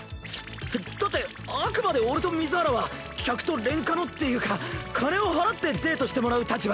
だってあくまで俺と水原は客とレンカノっていうか金を払ってデートしてもらう立場で。